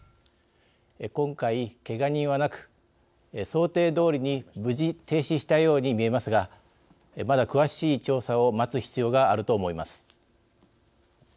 今回、けが人はなく想定どおりに無事停止したように見えますがまだ詳しい調査を待つ必要があると思います。